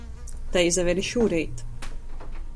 Tai izaver i šūreit.